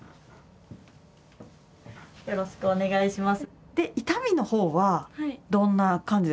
よろしくお願いします。